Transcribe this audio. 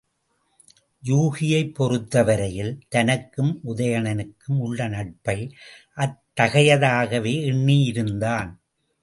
யூகியைப் பொறுத்தவரையில் தனக்கும் உதயணனுக்கும் உள்ள நட்பை, அத்தகையதாகவே எண்ணியிருந்தான்.